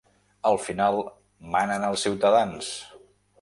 Al final, manen els ciutadans.